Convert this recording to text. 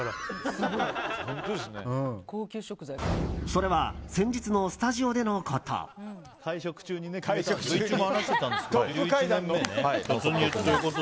それは先日のスタジオでのこと。